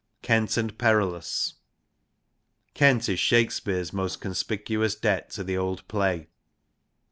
Kent and Perillus. Kent is Shakespeare's most ^^ conspicuous debt to the old play.